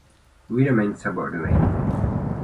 We remain subordinated.